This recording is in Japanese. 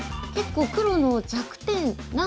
結構黒の弱点３